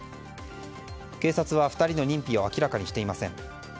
警察は２人の認否を明らかにしていません。